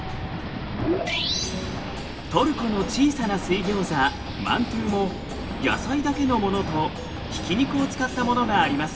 トルコの小さな水ギョーザマントゥも野菜だけのものとひき肉を使ったものがあります。